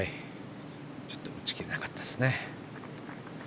ちょっと打ち切れなかったですね。